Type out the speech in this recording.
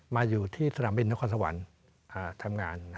มาอยู่ที่สนามบินนครสวรรค์ทำงาน